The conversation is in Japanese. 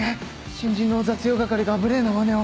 新人の雑用係が無礼なまねを。